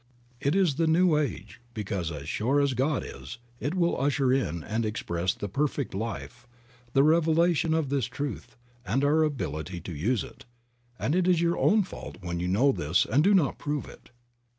It is the new age, because as sure as God is, it will usher in and express the perfect life, the revelation of this truth, and our ability to use it; and it is your own fault when you know this and do not prove it.